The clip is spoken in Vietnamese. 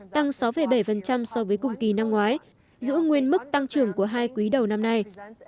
tăng sáu bảy so với cùng kỳ năm ngoái giữ nguyên mức tăng trưởng của hai quý đầu năm nay